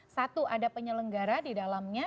satu ada penyelenggara di dalamnya